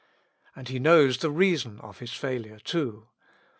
And he knows the reason of his failure too.